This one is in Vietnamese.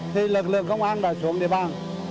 thì lực lượng công an đã xuống địa bàn